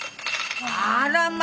あらま